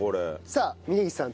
さあ峯岸さん